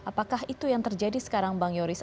apakah itu yang terjadi sekarang bang yoris